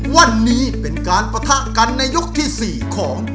วันนี้เป็นการปะทะกันในยกที่๔ของ